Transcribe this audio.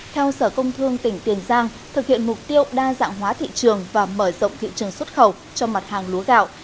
theo sở công thương tỉnh tiền giang thực hiện mục tiêu đa dạng hóa thị trường và mở rộng thị trường xuất khẩu cho mặt hàng lúa gạo